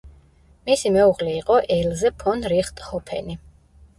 მისი მეუღლე იყო ელზე ფონ რიხტჰოფენი.